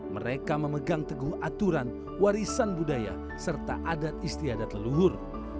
mereka memegang teguh aturan warisan budaya serta adat istiadat leluhur